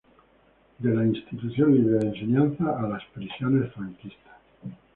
De la Institución Libre de Enseñanza a las prisiones franquistas.